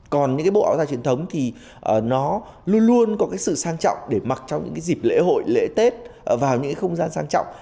còn những cái bộ áo dài truyền thống thì nó luôn luôn có cái sự sang trọng để mặc trong những dịp lễ hội lễ tết vào những không gian sang trọng